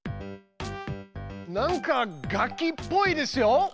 なんか楽器っぽいですよ。